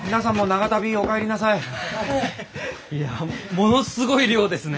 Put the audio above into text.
ものすごい量ですね！